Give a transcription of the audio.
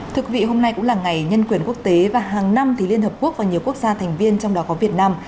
thực vị hôm nay cũng là ngày nhân quyền quốc tế và hàng năm thì liên hợp quốc và nhiều quốc gia thành viên trong đó có việt nam